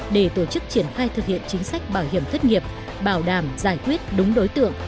để tổ chức triển khai thực hiện chính sách bảo hiểm thất nghiệp bảo đảm giải quyết đúng đối tượng